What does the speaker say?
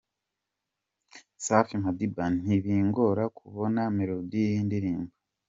Safi Madiba: Ntibingora kubona melodie y’indirimbo.